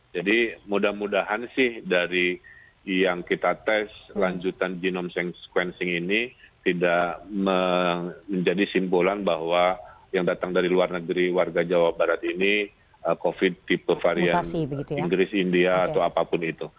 jadi mudah mudahan sih dari yang kita tes lanjutan genome sequencing ini tidak menjadi simpulan bahwa yang datang dari luar negeri warga jawa barat ini covid tipe varian inggris india atau apapun itu